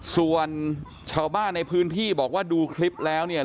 ส่วนชาวบ้านในพื้นที่บอกว่าดูคลิปแล้วเนี่ย